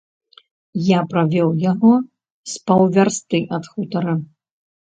Я правёў яго з паўвярсты ад хутара.